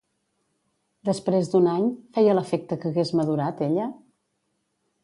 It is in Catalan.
Després d'un any, feia l'efecte que hagués madurat ella?